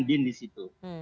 din di situ